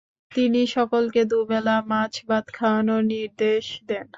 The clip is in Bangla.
তিনি সকলকে দুইবেলা মাছ ভাত খাওয়ানোর নির্দেশ দেন।